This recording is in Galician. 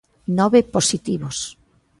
Nove positivos.